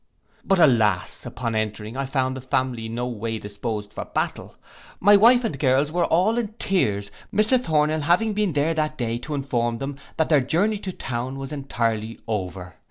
But, alas! upon entering, I found the family no way disposed for battle. My wife and girls were all in tears, Mr Thornhill having been there that day to inform them, that their journey to town was entirely over.